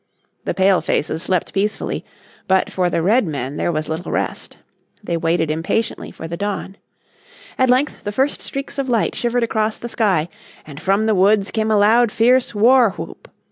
The Pale faces slept peacefully, but for the Redmen there was little rest. They waited impatiently for the dawn. At length the first streaks of light shivered across the sky, and from the woods came a loud fierce war whoop.